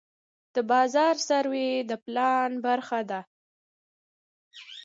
د بازار سروې د پلان برخه ده.